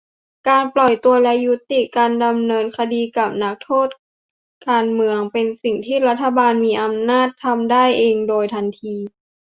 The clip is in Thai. การปล่อยตัวและยุติการดำเนินคดีกับนักโทษการเมือง เป็นสิ่งที่รัฐบาลมีอำนาจทำได้เองโดยทันที